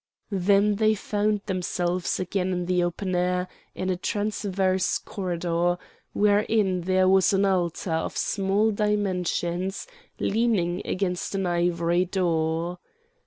Then they found themselves again in the open air in a transverse corridor, wherein there was an altar of small dimensions leaning against an ivory door.